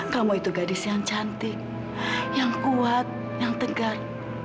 kamu itu gadis yang cantik yang kuat yang tegar